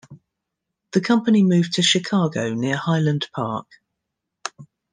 The company moved to Chicago near Highland Park.